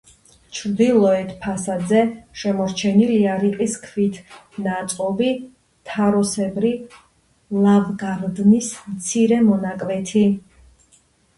ჩრდილოეთ ფასადზე შემორჩენილია რიყის ქვით ნაწყობი, თაროსებრი ლავგარდნის მცირე მონაკვეთი.